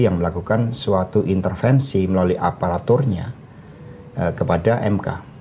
yang melakukan suatu intervensi melalui aparaturnya kepada mk